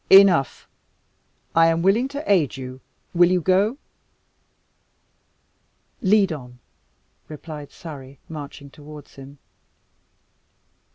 "Enough, I am willing to aid you. Will you go?" "Lead on!" replied Surrey, marching towards him.